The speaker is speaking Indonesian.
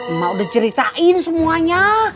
emak udah ceritain semuanya